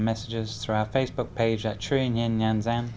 qua địa chỉ facebook truyền hình nhân dân